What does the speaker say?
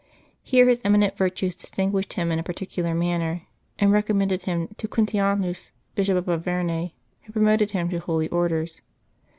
Here his eminent virtues distinguished him in a particular manner, and recommended him to Quintianus, Bishop of Auvergne, who promoted him to holy orders.